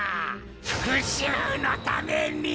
復讐のために。